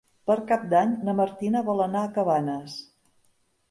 Per Cap d'Any na Martina vol anar a Cabanes.